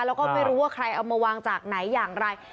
แล้วก็ไม่รู้ว่าใครเอามาวางจากไหนอย่างไร